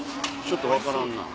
ちょっと分からんな。